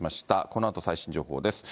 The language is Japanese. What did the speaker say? このあと最新情報です。